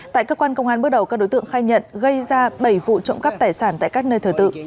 tại cơ quan công an bước đầu các đối tượng khai nhận gây ra bảy vụ trộm cắp tài sản tại các nơi thờ tự